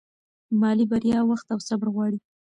مالي بریا وخت او صبر غواړي.